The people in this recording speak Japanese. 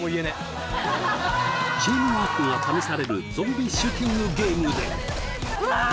チームワークが試されるゾンビシューティングゲームでうわ！